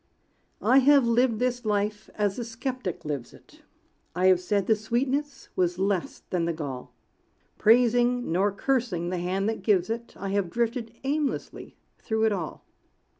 I have lived this life as the skeptic lives it; I have said the sweetness was less than the gall; Praising, nor cursing, the Hand that gives it, I have drifted aimlessly through it all.